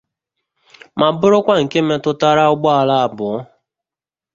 ma bụrụkwa nke metụtara ụgbọala abụọ